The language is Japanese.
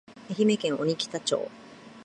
愛媛県鬼北町